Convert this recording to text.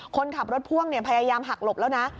คนขับรถพ่วงพยายามหักหลบแล้วนะ